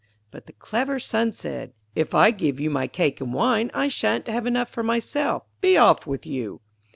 But the clever son said: 'If I give you my cake and wine, I shan't have enough for myself. Be off with you.'